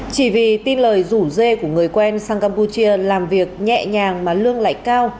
chỉ vì tin lời rủ dê của người quen sang campuchia làm việc nhẹ nhàng mà lương lại cao